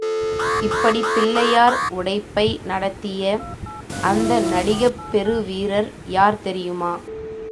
இப்படிப் பிள்ளையார் உடைப்பை நடத்திய அந்த நடிகப் பெரு வீரர் யார் தெரியுமா?